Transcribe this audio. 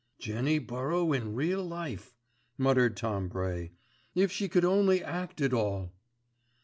"Jenny Burrow in real life," muttered Tom Bray. "If she could only act it all."